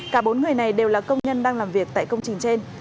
cả bốn người này đều là công nhân đang làm việc tại công trình trên